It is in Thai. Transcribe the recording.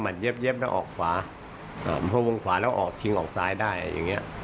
หม่อนน้อยจะดูว่าหนึ่งมันเย็บแล้วออกฝารวมขวาและจริงออกของซ้ายได้